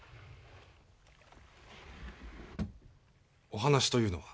お話というのは？